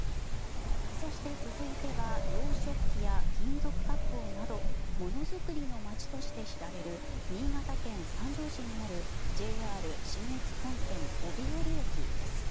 そして、続いては洋食器や金属加工などものづくりの街として知られる新潟県三条市にあるＪＲ信越本線帯織駅です。